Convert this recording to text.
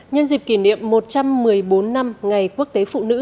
nhân dịp kỷ niệm một trăm một mươi bốn năm ngày quốc tế phụ nữ